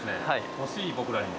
欲しい僕らにも。